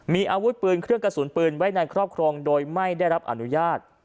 มีอาวุธปืนเครื่องกระสุนปืนไว้ในครอบครองโดยไม่ได้รับอนุญาต